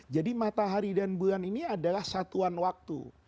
jadi matahari dan bulan ini adalah satuan waktu